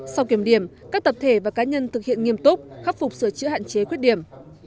sau kiểm điểm các tập thể và cá nhân thực hiện nghiêm túc khắc phục sửa chữa hạn chế khuyết điểm